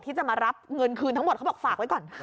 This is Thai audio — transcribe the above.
ที่จะมารับเงินคืนทั้งหมดเขาบอกฝากไว้ก่อน